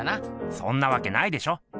そんなわけないでしょ。